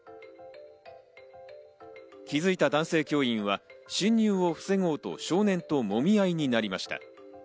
気づいた男性教員は、侵入を防ごうと少年ともみ合いになりました。